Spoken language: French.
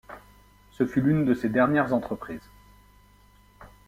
Ce fut l'une de ses dernières entreprises.